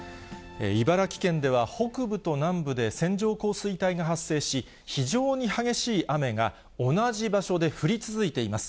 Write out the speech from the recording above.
茨城県では北部と南部で線状降水帯が発生し、非常に激しい雨が同じ場所で降り続いています。